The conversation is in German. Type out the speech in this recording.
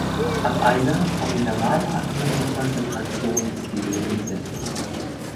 Ab einer vom Mineral abhängigen Konzentration ist die Lösung gesättigt.